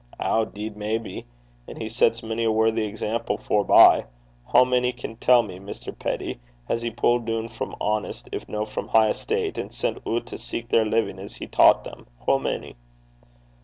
'Ow 'deed, maybe. And he sets mony a worthy example furbye. Hoo mony, can ye tell me, Mr. Peddie, has he pulled doon frae honest, if no frae high estate, and sent oot to seek their livin' as he taucht them? Hoo mony